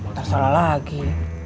ntar salah lagi